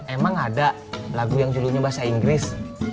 emang ada lagu yang judulnya bahasa inggris